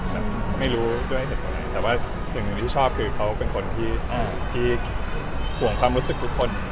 มันไม่รู้ด้วยเหตุผลอะไรแต่ว่าสิ่งที่ชอบคือเขาเป็นคนที่ห่วงความรู้สึกทุกคน